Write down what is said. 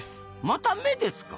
また眼ですか？